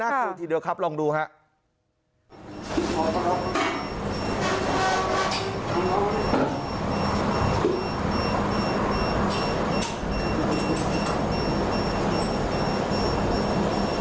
คืนทีเดียวครับลองดูครับ